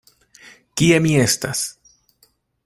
Kie mi estas?